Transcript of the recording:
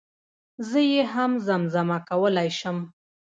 زه يي هم زم زمه کولی شم